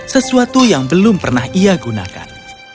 sesuatu yang belum pernah ia gunakan